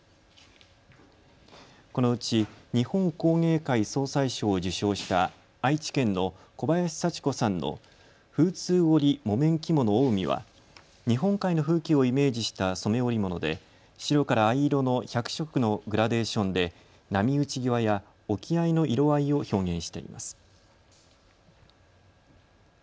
このうち日本工芸会総裁賞を受賞した愛知県の小林佐智子さんの風通織木綿着物青海は日本海の風景をイメージした染め織物で白から藍色の１００色のグラデーションで波打ち際や沖合の色合いを表現しています。